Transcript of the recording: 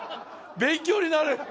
勉強になる。